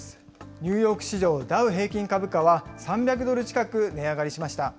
ニューヨーク市場ダウ平均株価は、３００ドル近く値上がりしました。